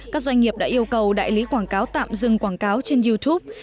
các doanh nghiệp đã yêu cầu đại lý quảng cáo tạm dừng quảng cáo trên youtube